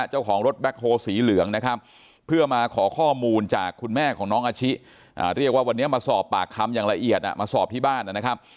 เจ้าของรถแบ็คโฮสีเหลืองนะครับเพื่อมาขอข้อมูลจากคุณแม่ของน้องอาชิเรียกว่าวันนี้มาสอบปากคำอย่างละเอียดมาสอบที่บ้านนะครับ